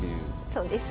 そうです。